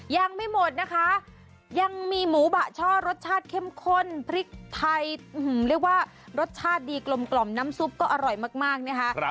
ยังไม่หมดนะคะยังมีหมูบะช่อรสชาติเข้มข้นพริกไทยเรียกว่ารสชาติดีกลมน้ำซุปก็อร่อยมากนะคะ